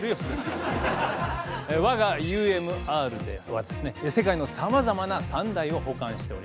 我がＵＭＲでは世界のさまざまな三大を保管しております。